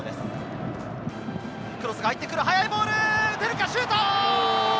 クロスが入ってくる速いボール打てるかシュート！